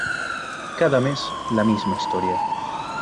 Cada mes, la misma historia.